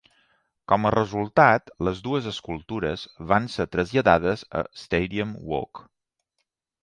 Com a resultat, les dues escultures van ser traslladades a Stadium Walk.